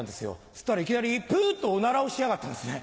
そしたらいきなりプッてオナラをしやがったんですね。